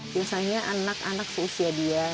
biasanya anak anak seusia dia